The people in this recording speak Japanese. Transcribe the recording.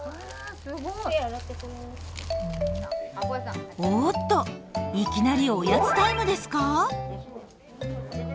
おっといきなりおやつタイムですか？